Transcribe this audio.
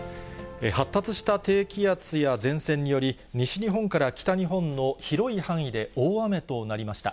発達した低気圧や前線により、西日本から北日本の広い範囲で大雨となりました。